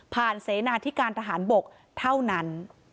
ผ่านเสนาที่การทหารบกเท่านั้น